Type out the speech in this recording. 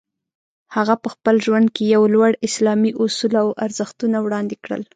هغه په خپل ژوند کې یو لوړ اسلامي اصول او ارزښتونه وړاندې کړل.